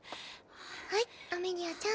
はいアメリアちゃん